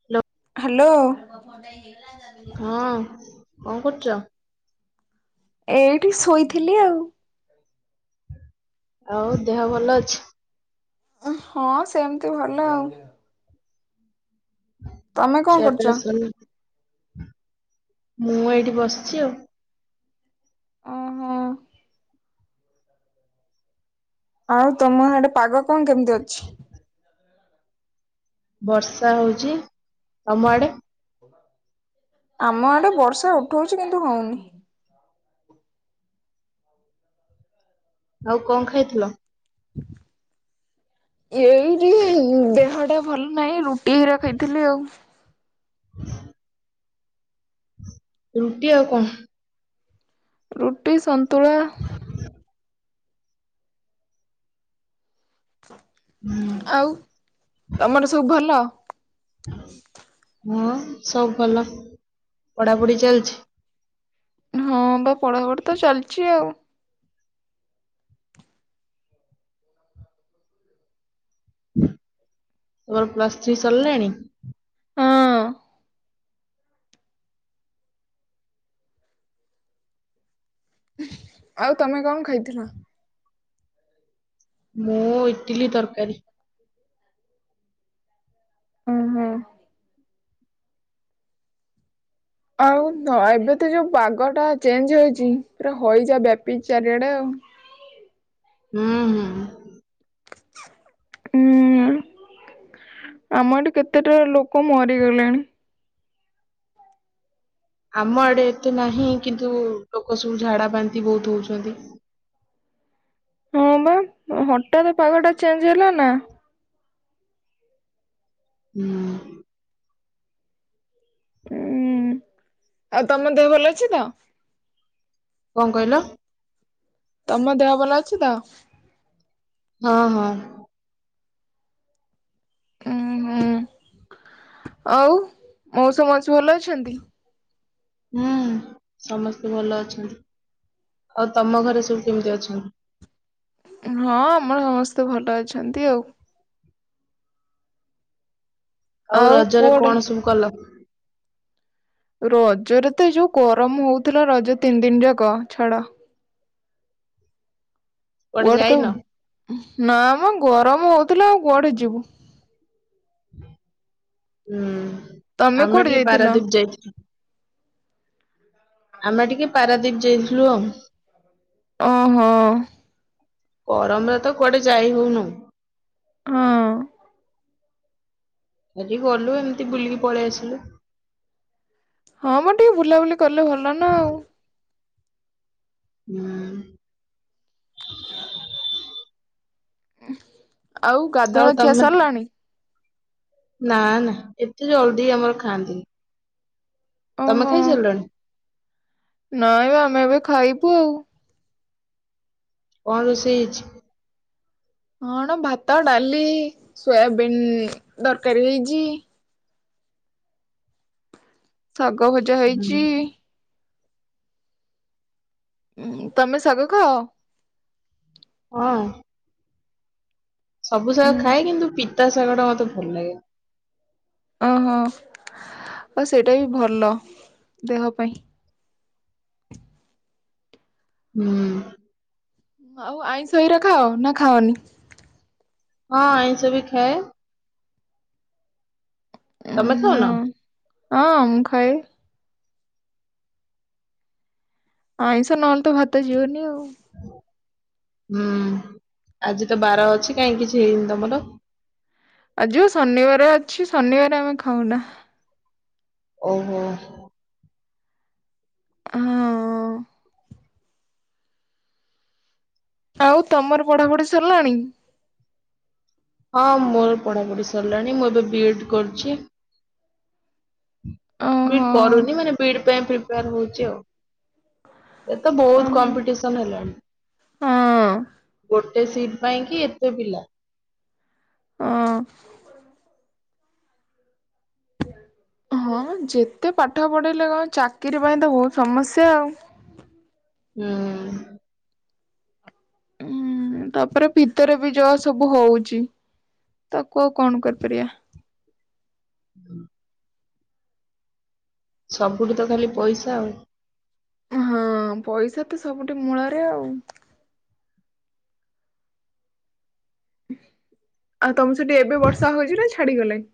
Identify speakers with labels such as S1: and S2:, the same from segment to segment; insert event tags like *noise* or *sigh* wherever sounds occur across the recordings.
S1: *unintelligible*
S2: Hello.
S1: ହଁ କଣ କରୁଛ?
S2: *inaudible* ଏଇଠି ଶୋଇଥିଲି ଆଉ।
S1: ଆଉ ଦେହ ଭଲ ଅଛି?
S2: ହଁ ସେମିତି ଭଲ ଆଉ। ତମେ କଣ କରୁଛ?
S1: ଖିଆପିଆ ସରିଲା। *inaudible* ମୁଁ ଏଇଠି ବସିଛି ଆଉ।
S2: ଓହୋ ଆଉ ତମ ଆଡେ ପାଗ କଣ କେମିତି ଅଛି?
S1: *inaudible* ବର୍ଷା ହଉଚି ତମ ଆଡେ?
S2: ଆମ ଆଡ଼େ ବର୍ଷା ଉଠଉଛି କିନ୍ତୁ ହଉନି।
S1: ଆଉ କଣ ଖାଇଥିଲ?
S2: *inaudible* ଏଇଠି ଦେହଟା ଭଲ ନାହିଁ ରୁ ଟି ରଖେଇ ଥିଲି ଆଉ।
S1: ହୁଁ। ରୁଟି ଆଉ କଣ?
S2: ରୁଟି ସନ୍ତୁଳା।
S1: ହଁ।
S2: ଆଉ ତମର ସବୁ ଭଲ?
S1: ହଁ ସବୁ ଭଲ। ପଢାପଢି ଚାଲିଛି?
S2: ହଁ ବା ପଢାପଢି ତ ଚାଲିଚି ଆଉ।
S1: ତୋର ପ୍ଲସ୍ ଥ୍ରୀ ସରିଲାଣି?
S2: ହଁ ଆଉ ତମେ କଣ ଖାଇଥିଲ?
S1: ମୁଁ ଇଟିଲି ତରକାରୀ।
S2: ଉଁ ହୁଁ। ଆଉ ଏବେ ତ ଯୋଉ ପାଗ ଟା ଚେଞ୍ଜ ହୋଇଚି। ପୁରା ହଇଜା ବ୍ୟାପିଚି ଚାରିଆଡେ ଆଉ।
S1: ହୁଁ ହୁଁ।
S2: ଉଁ। ଆମ ଏଠୁ କେତେଟା ଲୋକ ମରିଗଲେଣି।
S1: ଆମ ଆଡେ ଏତେ ନାହିଁ। କିନ୍ତୁ ଲୋକ ସବୁ ଝାଡା ବାନ୍ତି ବହୁତ୍ ହୋଉଚନ୍ତି।
S2: ହଁ ବା ହଠାତ୍ ପାଗ ଟା ଚେଞ୍ଜ ହେଲା ନା।
S1: ହୁଁ।
S2: ଉଁ ଆଉ ତମ ଦେହ ଭଲ ଅଛି ତ?
S1: କଣ କହିଲ?
S2: ତମ ଦେହ ଭଲ ଅଛି ତ?
S1: ହଁ ହଁ।
S2: ଉଁ ହୁଁ ଆଉ ମଉସା ମାଉସି ଅଛି ଭଲ ଅ ଛନ୍ତି?
S1: ହୁଁ ସମସ୍ତେ ଭଲ ଅଛନ୍ତି। ଆଉ ତମ ଘରେ ସବୁ କେମିତି ଅଛନ୍ତି?
S2: ହଁ ଆମର ସମସ୍ତେ ଭଲ ଅଛନ୍ତି ଆଉ।
S1: ଆଉ ରଜରେ କଣ ସବୁ କଲ?
S2: ରଜରେ ତ ଏଇ ଯୋଉ ଗରମ ହୋଉଥିଲା ରଜ ତିନି ଦିନି ଯାକ। ଛାଡ
S1: କୁଆଡେ ଯାଇନ?
S2: ନା ମ ଗରମ ହୋଉଥିଲା ଆଉ କୁଆଡେ ଯିବୁ।
S1: ହୁଁ
S2: ତମେ
S1: ଆମେ
S2: କୁଆଡେ
S1: ଟିକିଏ
S2: ଯାଇଥିଲ?
S1: ପାରାଦ୍ୱୀପ୍ ଯାଇଥିଲୁ। ଆମେ ଟିକିଏ ପାରାଦ୍ୱୀପ୍ ଯାଇଥିଲୁ ଆଉ।
S2: ଓହୋ।
S1: ଗରମରେ ତ କୁଆଡେ ଯାଇ ହୋଉନୁ।
S2: ହଁ।
S1: ଆଜି ଗଲୁ ଏମିତି ବୁଲିକି ପଳେଇ ଆସିଲୁ।
S2: ହଁ ମ ଟିକିଏ ବୁଲାବୁଲି କଲେ ଭଲ ନା ଆଉ।
S1: ହୁଁ।
S2: ଉଁ ହୁଁ।
S1: ଆଉ ତମେ ନା ନା ଏତେ ଜଲଦି ଆମର ଖାଆନ୍ତିନି।
S2: ଓହୋ
S1: ତମେ ଖାଇସାରିଲଣି?
S2: ନାଇଁ ବାଆମେ ଏବେ ଖାଇବୁ।
S1: କଣ ରୋଷେଇ ହେଇଚି?
S2: ହଁଣ ଭାତ ଡାଲି ସୋୟାବିିନ୍ ଦରକାରୀ ହେଇଜି। ଶାଗ ଭଜା ହେଇଛି। ଉଁ ତମେ ଶାଗ ଖାଅ?
S1: ହଁ। ସବୁ ଶାଗ ଖାଏ
S2: ଉଁ
S1: କିନ୍ତୁ ପିତା ଶାଗ ଟା ମତେ ଭଲ ଲାଗେନି।
S2: ଓ ହୋ ଆଉ ସେଇଟା ବି ଭଲ ଦେହ ପାଇଁ।
S1: ହୁଁ।
S2: ଆଉ ଆଇଁଷ ଗୁରା ଖାଅ ନା ଖାଅନି?
S1: ହଁ ଆଇଁଷ ବି ଖାଏ। ତମେ ଖାଉନ?
S2: ହଁ ହଁ ମୁଁ ଖାଏ। ଆଇଁଷ ନ ହେଲେ ତ ଭାତ ଯିବନି ଆଉ।
S1: ହୁଁ ଆଜି ତ ବାର ଅଛି କାଇଁ କିିଛି ହେଇନି ତମର?
S2: ଆଜି ବା ଶନିବାର ଅଛି ଶନିବାରେ ଆମେ ଖାଉନା।
S1: ଓ ହୋ।
S2: ହଁ। ଆଉ ତମର ପଢାପଢି ସରିଲାଣି?
S1: ହଁ ମୋର ପଢା ପଢି ସରିଲାଣି ମୁଁ ଏବେ ବି ଏଡ୍ କରୁଛି। ବି ଡି
S2: ଓହୋ
S1: କରୁନି ମାନେ ବି ଡି ପାଇଁ ପ୍ରିପେୟାର ହଉଛି ଆଉ ଏ ତ ବହୁତ
S2: ଓହୋ
S1: କମ୍ପିଟେସ ସନ୍ ହେଲାଣି
S2: ହଁ।
S1: ଗୋଟେ ସିଟ୍ ପାଇଁ କି ଏତେ ପିଲା।
S2: ହଁ। ହଁ ଯେତେ ପାଠ ପଢ଼େଇଲେ କଣ ଚାକିରି ପାଇଁ ତ ବହୁତ ସମସ୍ୟା ଆଉ।
S1: ହୁଁ।
S2: ହୁଁ ତାପରେ ଭିତରେ ବି ଯହା ସବୁ ହଉଛି ତାକୁ ଆଉ କଣ କରିପାରିଆ।
S1: ହୁଁ। ସବୁଠି ତ ଖାଲି ପଇସା ଆଉ।
S2: ଆଉ ହଁ ପଇସା ତ ସବୁଠି ମୂଳରେ ଆଉ। ଆଉ ତମ ସେଠି ଏବେ ବର୍ଷା ହଉଛି ନା ଛାଡିଗଲାଇଁ?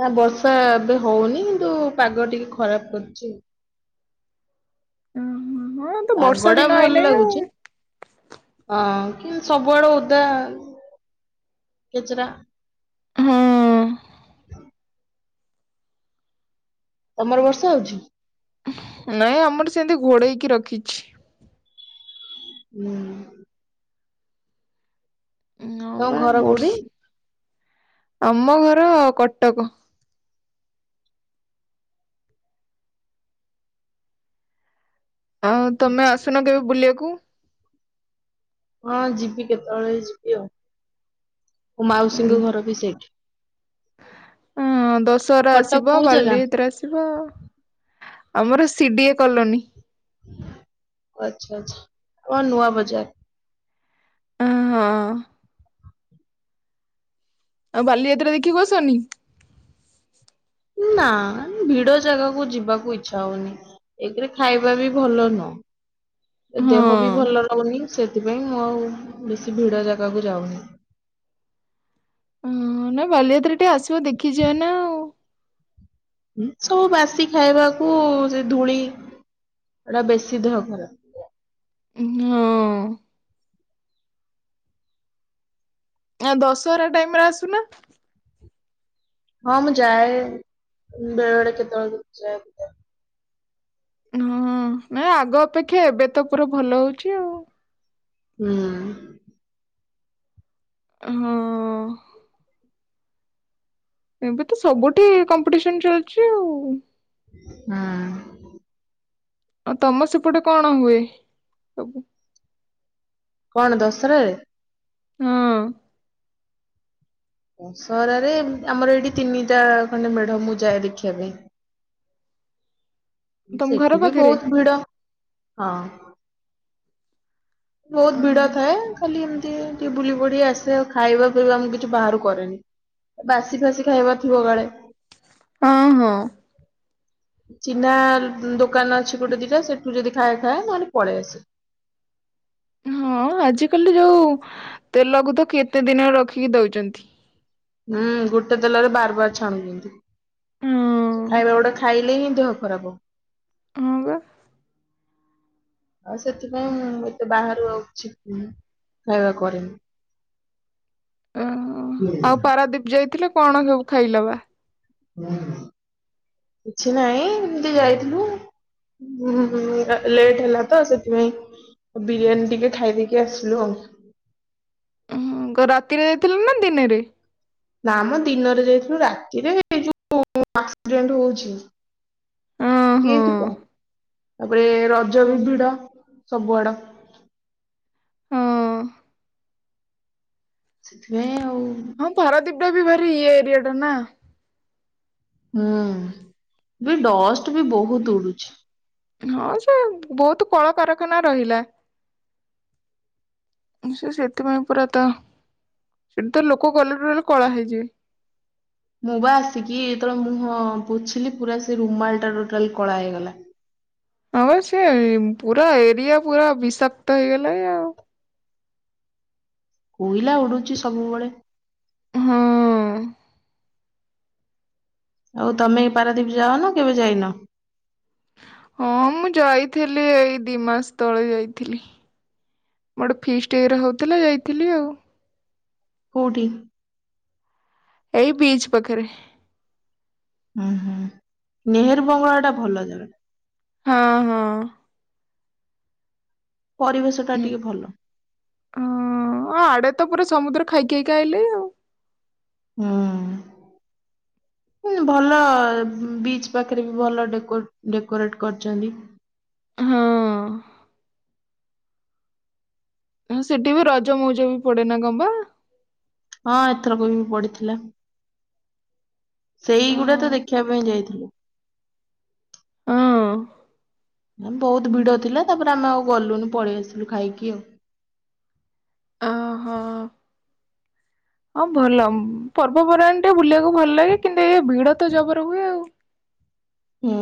S1: ନା ବର୍ଷା ଏବେ ହଉନି କିନ୍ତୁ ପାଗ ଟିକେ ଖରାପ କରିଛି ଆଉ।
S2: ହଁ ତ ବର୍ଷା
S1: ପାଗଟା
S2: ଦିନ
S1: ଭଲ
S2: ଆଇଲାଇ ଆଉ।
S1: ଲାଗୁଛି। ହଁ କିନ୍ତୁ ସବୁଆଡ ଓଦା କେଚରା।
S2: ହଁ।
S1: ତମର ବର୍ଷା ହଉଛି?
S2: ନାଇଁ ଆମର ସେମିତି ଘୋଡ଼େଇକି ରଖିଛି।
S1: ହୁଁ।
S2: ଉଁ ହଁ
S1: ତମ
S2: ବା
S1: ଘର କୋଉଠି?
S2: ବର୍ଷ ଆମ ଘର କଟକ। ଆଉ ତମେ ଆସୁନ କେବେ ବୁଲିଆକୁ?
S1: ହଁ ଯିବି କେତେବେଳେ ଯିବି ଆଉ ମୋ ମାଉସୀଙ୍କ ଘର ବି ସେଇଠି।
S2: ହଁ ଦଶହରା
S1: କଟକ
S2: ଆସିବ
S1: କୋଉ ଜାଗା
S2: ବାଲିଯାତ୍ରା ଆସିବ। ଆମର ସି ଡି ଏ କଲୋନୀ।
S1: ଓ ଆଚ୍ଛା ଆଚ୍ଛା ଆମର ନୂଆ ବଜାର।
S2: ଓ ହଁ। ଆଉ ବାଲିଯାତ୍ରା ଦେଖିଆକୁ ଆସିବନି?
S1: ନା ଭିଡ ଜାଗାକୁ ଯିବାକୁ ଇଚ୍ଛା ହଉନି। ଏକରେ ଖାଇବା ବି ଭଲ ନୁହଁ। ଏ
S2: ହଁ।
S1: ଦେହ ବି ଭଲ ରହୁନି ସେଥିପାଇଁ ମୁଁ ଆଉ ବେଶୀ ଭିଡ ଜାଗାକୁ ଯାଉନି।
S2: ହଁ ନା ବାଲିଯାତ୍ର ଟିକେ ଆସିବ ଦେଖିଯିବ ନା ଆଉ।
S1: ସବୁ ବାସି ଖାଇବାକୁ ସେ ଧୂଳି ଏଟା ବେଶୀ ଦେହ ଖରାପ।
S2: ନାଁ। ଦଶହରା ଟାଇମରେ ଆସୁନା।
S1: ହଁ ମୁଁ ଯାଏ ବେଳେ ବେଳେ କେତେବେଳେ କେମିତି ଯାଏ।
S2: ହଁ ନାଇଁ ଆଗ ଅପେକ୍ଷା ଏବେ ତ ପୁରା ଭଲ ହୋଉଚି ଆଉ।
S1: ହୁଁ।
S2: ହୁଁ। ଏବେ ତ ସବୁଠି କମ୍ପିଟିସନ ଚାଲିଛି ଆଉ।
S1: ହୁଁ।
S2: ଆଉ ତମ ସେପଟେ କଣ ହୁଏ ସବୁ?
S1: କଣ ଦଶହରାରେ?
S2: ହଁ।
S1: ଦଶହରାରେ ଆମର ଏଇଠି ତିନିଟା ଖଣ୍ଡେ ମେଢ ମୁଁ ଯାଏ ଦେଖିବା ପାଇଁ।
S2: ତମ ଘର
S1: ସେଠି ବି
S2: ପାଖରେ?
S1: ବୋହୁତ ଭିଡ ହଁ। ବୋହୁତ ଭିଡ
S2: ଅ
S1: ଥାଏ ଖାଲି ଏମିତି ଟିକେ ବୁଲି ପଡି ଆସେ ଆଉ ଖାଇବା ପିଇବା ମୁଁ କିଛି ବାହାରାରୁ କରେନି। ବାସି ଫାସି ଖାଇବାର ଥିବ କାଳେ।
S2: ହଁ ହଁ।
S1: ଚିହ୍ନା ଦୋକାନ ଅଛି ଗୋଟେ ଦିଟା ସେଠୁ ଯଦି ଖାଏ ଖାଏ ନହେଲେ ପଳେଇ ଆସେ।
S2: ହଁ ଆଜିକାଲି ଯୋଉ ତେଲକୁ ତ କେତେ ଦିନରେ ରଖିକି ଦୋଉଛନ୍ତି।
S1: ହୁଁ ଗୋଟେ ତେଲରେ ବାର ବାର ଛାଣୁଛନ୍ତି
S2: ହଁ
S1: ଖାଇବା ଗୁଡା ଖାଇଲେ ହିଁ ଦେହ ଖରାପ।
S2: ହଁ ପା।
S1: ଆଉ ସେଥିପାଇଁ ମୁଁ ଏତେ ବାହାରୁ ଆଉ ଆଛି ଖାଇବା କରେନି।
S2: ଉଁ ଆଉ ପାରାଦୀପ ଯାଇଥିଲେ କଣ ସବୁ ଖାଇଲବା?
S1: କିଛି ନାଇଁ ଏମିତି ଯାଇଥିଲୁ ଆଉ। ହୁଁ ହୁଁ ଲେଟ୍ ହେଲା ତ ସେଥିପାଇଁ। ବିରିୟାନୀ ଟିକେ ଖାଇଦେଇକି ଆସିଲୁ ଆଉ।
S2: ହଁ ରାତିରେ ଯାଇଥିଲେ ନା ଦିନେରେ?
S1: ନା ଆମ ଦିନରେ ଯାଇଥିଲୁ ରାତିରେ ଏଇ ଯୋଉ ଆକ୍ସିଡେଣ୍ଟ ହୋଉଛି।
S2: ହଁ ହଁ
S1: କିଏ ଯିବ ତାପରେ ରଜ
S2: ହଁ
S1: ବି ଭିଡ ସବୁଆଡ।
S2: ହଁ।
S1: ସେଥିପାଇଁ ଆଉ।
S2: ହଁ ପାରାଦୀପ ଟା ବି ଭାରି ଇଏ ଏରିଆ ଟା ନା।
S1: ହୁଁ ବି ଡଷ୍ଟ ବି ବୋହୁତ ଉଡୁଛି।
S2: ହଁ ସେ ବୋହୁତ କଳକାରଖାନା ରହିଲା ସେ ସେଥିପାଇଁ ପୁରା ତ ସେଠି ତ ଲୋକ ଗଲେ ଟୋଟାଲେ କଳା ହେଇଯିବେ।
S1: ମୁଁ ବା ଆସିକି ତବେଳେ ମୁଁ ପୋଛିଲି ପୁରା ସେ ରୁମାଲ ଟା ଟୋଟାଲେ କଳା ହେଇଗଲା।
S2: ହଁପା ସେ ପୁରା ଏରିଆ ପୁରା ବିଷାକ୍ତ ହେଇଗଲା ଏ ଆଉ।
S1: କୋଇଲା ଉଡୁଛି ସବୁବେଳେ।
S2: ହଁ।
S1: ଆଉ ତମେ ପାରାଦୀପ ଯାଅନ କେବେ ଯାଇନ?
S2: ହଁ ମୁଁ ଯାଇଥିଲି ଏଇ ଦିଇ ମାସେ ତଳେ ଯାଇଥିଲି। ମୋ ଗୋଟେ ଫିଷ୍ଟି ଇଏରେ ହୋଉଥିଲା ଯାଇଥିଲି ଆଉ।
S1: କୋଉଠି?
S2: ଏଇ ବିଚ୍ ପାଖରେ।
S1: ହୁଁ ହୁଁ ନେହେରୁ ବଙ୍ଗଳା ଟା ଭଲ ଜାଗା।
S2: ହଁ ହଁ।
S1: ପରିବେଶ ଟା
S2: ହୁଁ।
S1: ଟିକେ ଭଲ।
S2: ହଁ ଆଡେ ତ ପୁରା ସମୁଦ୍ର ଖାଇ ଖାଇକି ଆଇଲେ ଆଉ।
S1: ହୁଁ। ଭଲ ବିଚ୍ ପାଖରେ ବି ଭଲ ଡେକୋରେଟ କରିଛନ୍ତି।
S2: ହଁ। ସେଠି ବି ରଜ ମଉଜ ବି ପଡେନା ଗମ୍ବା
S1: ହଁ ଏଥରକ ବି ପଡିଥିଲା ସେଇଗୁଡା ତ
S2: ହଁ।
S1: ଦେଖିବା ପାଇଁ ଯାଇଥିଲୁ।
S2: ହଁ।
S1: ବହୁତ ଭିଡ ଥିଲା ତାପରେ ଆମେ ଆଉ ଗଲୁନୁ ପଳେଇ ଆସିଲୁ ଖାଇକି ଆଉ।
S2: ଓ ହୋ। ହଁ ଭଲ ପର୍ବପର୍ବାଣି ଟେ ବୁଲିବାକୁ ଭଲ ଲାଗେ କିନ୍ତୁ ଏଇ ଭିଡ ତ ଜବର ହୁଏ ଆଉ।
S1: ହୁଁ।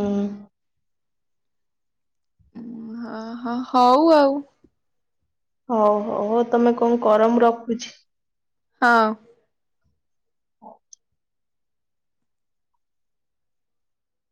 S2: ହଁ ହଁ ହଉ ଆଉ।
S1: ହଉ ହଉ ହଉ ତମେ କଣ କର ମୁଁ ରଖୁଛି।
S2: ହଁ।
S1: *inaudible*